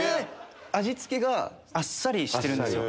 味付けがあっさりしてるんですよ。